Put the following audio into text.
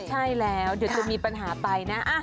ใช่แล้วเดี๋ยวจะมีปัญหาไปนะ